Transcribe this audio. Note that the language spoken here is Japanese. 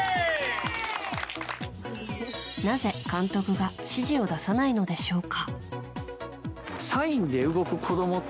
なぜ監督が指示を出さないのでしょうか。